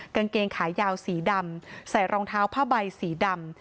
กางเกงขายาวสีดำใส่รองเท้าผ้าใบสีดำ